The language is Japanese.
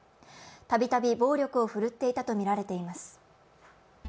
たびたび暴力を振るっていたとみられています。